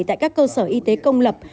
tại các cơ sở y tế công lập